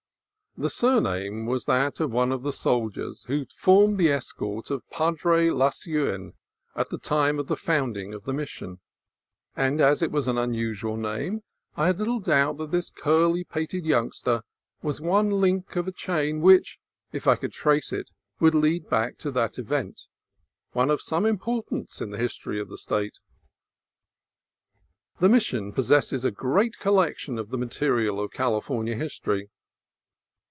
The surname was that of one of the soldiers who formed the escort of Padre Lasuen at the time of the founding of the Mission, and as it was an un usual name I had little doubt that this curly pated youngster was one link of a chain which, if I could trace it, would lead back to that event, — one of some importance in the history of the State. The Mission possesses a great collection of the material of California history.